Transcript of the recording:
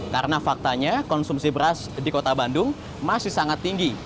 karena faktanya konsumsi beras di kota bandung masih sangat tinggi